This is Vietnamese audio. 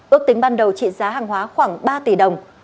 ước tính ban đầu trị giá hàng hóa khoảng ba tỷ đồng